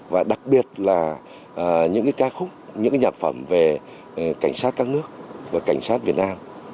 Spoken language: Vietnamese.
và đặc biệt là những ca khúc những nhạc phẩm về cảnh sát các nước và cảnh sát việt nam